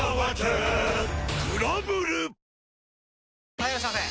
・はいいらっしゃいませ！